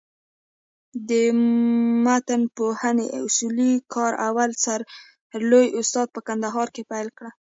د متنپوهني اصولي کار اول سر لوى استاد په کندهار کښي پېل کړ.